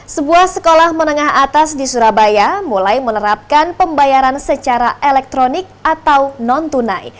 sebuah sekolah menengah atas di surabaya mulai menerapkan pembayaran secara elektronik atau non tunai